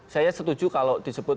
saya setuju kalau disebut